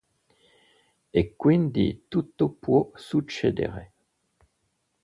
E quindi tutto può succedere.